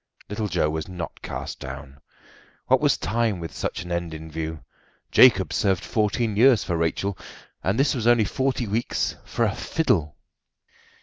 Little Joe was not cast down. What was time with such an end in view? Jacob served fourteen years for Rachel, and this was only forty weeks for a fiddle!